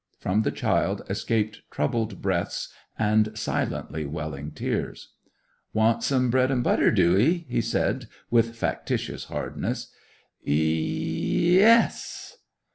From the child escaped troubled breaths and silently welling tears. 'Want some bread and butter, do 'ee?' he said, with factitious hardness. 'Ye e s!